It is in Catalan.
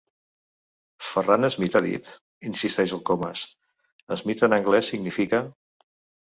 Ferrer Smith, ha dit? —insisteix el Comas— Smith en anglès significa